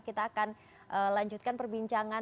kita akan lanjutkan perbincangan